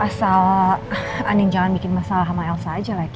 asal andin jangan bikin masalah sama elsa aja lagi